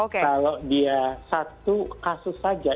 kalau dia satu kasus saja